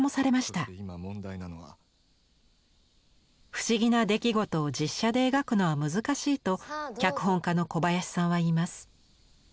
不思議な出来事を実写で描くのは難しいと脚本家の小林さんは言います。